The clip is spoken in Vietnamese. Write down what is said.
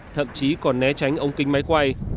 thậm chí còn né tránh ông kinh máy quay